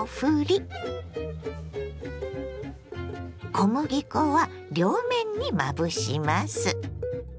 小麦粉は両面にまぶします。